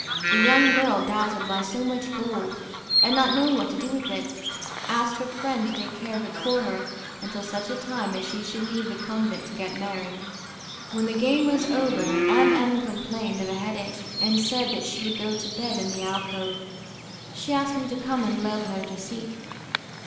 The young girl, dazzled by so much gold, and not knowing what to do with it, asked her friend to take care of it for her until such time as she should leave the convent to get married. When the game was over, M M complained of a headache, and said that she would go to bed in the alcove: she asked me to come and lull her to sleep.